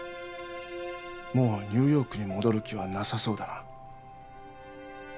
もうニューヨークに戻る気はなさそうだな。